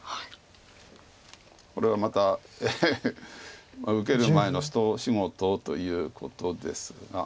これはまた受ける前の一仕事ということですが。